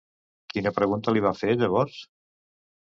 Quina pregunta li va fer, llavors?